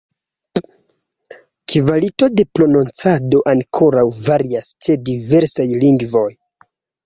Kvalito de prononcado ankoraŭ varias ĉe diversaj lingvoj.